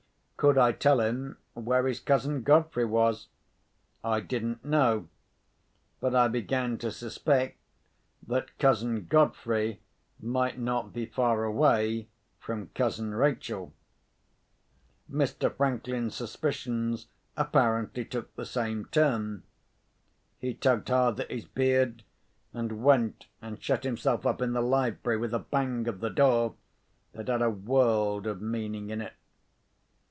Could I tell him where his cousin Godfrey was? I didn't know; but I began to suspect that cousin Godfrey might not be far away from cousin Rachel. Mr. Franklin's suspicions apparently took the same turn. He tugged hard at his beard, and went and shut himself up in the library with a bang of the door that had a world of meaning in it.